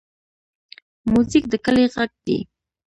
موزیک د کلي غږ دی.